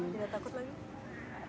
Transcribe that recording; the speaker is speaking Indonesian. tidak takut lagi